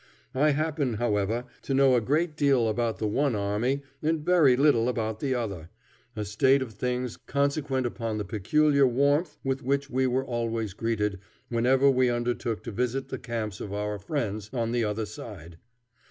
I happen, however, to know a great deal about the one army and very little about the other, a state of things consequent upon the peculiar warmth with which we were always greeted whenever we undertook to visit the camps of our friends on the other side.